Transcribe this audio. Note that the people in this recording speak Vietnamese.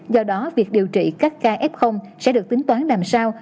do đó việc điều trị các ca f sẽ được tính toán làm sao